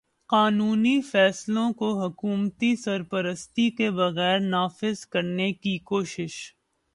قانونی فیصلوں کو حکومتی سرپرستی کے بغیر نافذ کرنے کی کوشش